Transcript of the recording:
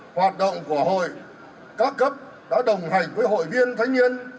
hoạt động của hội các cấp đã đồng hành với hội viên thanh niên